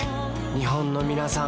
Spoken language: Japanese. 日本のみなさん